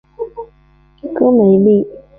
戈梅利。